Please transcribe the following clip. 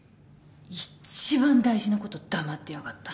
一番大事なこと黙ってやがった。